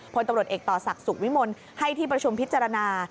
พลตำรวจเอกต่อศักดิ์สุขวิมลให้ที่ประชุมพิจารณา